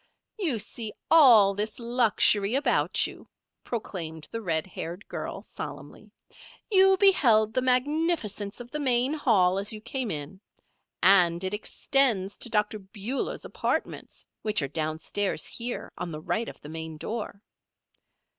"You see all this luxury about you," proclaimed the red haired girl, solemnly. "You beheld the magnificence of the main hall as you came in. And it extends to Dr. Beulah's apartments, which are downstairs here, on the right of the main door.